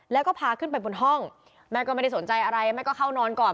แล้วก็พาขึ้นไปบนห้องแม่ก็ไม่ได้สนใจอะไรแม่ก็เข้านอนก่อน